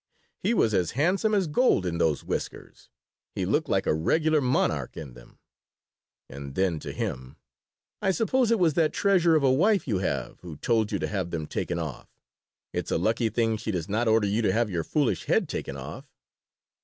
"He was as handsome as gold in those whiskers. He looked like a regular monarch in them." And then to him: "I suppose it was that treasure of a wife you have who told you to have them taken off. It's a lucky thing she does not order you to have your foolish head taken off."